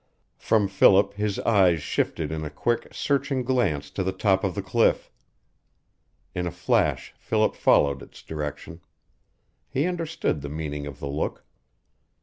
From Philip his eyes shifted in a quick, searching glance to the top of the cliff. In a flash Philip followed its direction. He understood the meaning of the look.